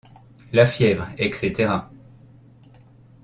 La fièvre, et cætera!